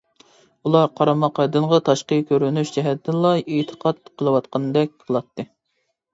ئۇلار قارىماققا دىنغا تاشقى كۆرۈنۈش جەھەتتىنلا ئېتىقاد قىلىۋاتقاندەك قىلاتتى.